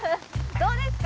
どうですか？